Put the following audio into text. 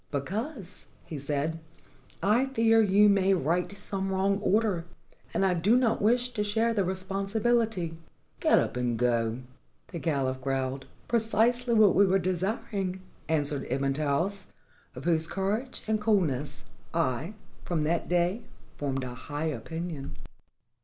'Because,' he said, 'I fear you may write some wrong order, and I do not wish to share the responsibility.' ' Get up and go,' the caliph growled. 'Precisely what we were de siring,' answered Ibn Taous, of whose courage and cool ness I from that day formed a high opinion."